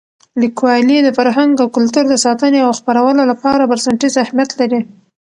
لیکوالی د فرهنګ او کلتور د ساتنې او خپرولو لپاره بنسټیز اهمیت لري.